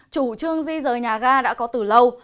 chủ trương di rời nhà ga đã có từ lâu